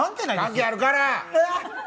関係あるから。